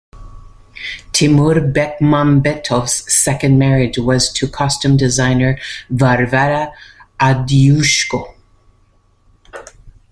Timur Bekmambetov's second marriage was to costume designer Varvara Avdyushko.